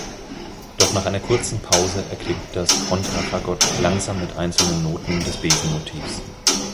Doch nach einer kurzen Pause erklingt das Kontrafagott langsam mit einzelnen Noten des Besen-Motivs.